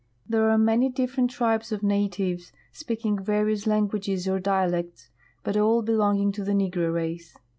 There are many dif ferent tribes of natives, speaking various languages or dialects, but all belonging to the negro race.